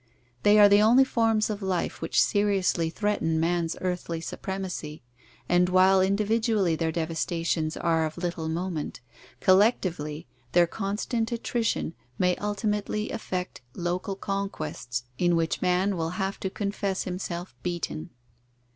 They are the only forms of life which seriously threaten man's earthly supremacy, and while individually their devastations are of little moment, collectively their constant attrition may ulti mately effect local conquests in which man will have to confess himself beaten.